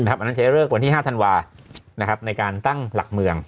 อันนั้นใช้เลิกวันที่๕ธันวาในการตั้งหลักเมือง